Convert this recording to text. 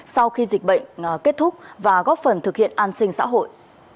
sau khi dịch bệnh kết thúc và góp phần thực hiện an sinh xã hội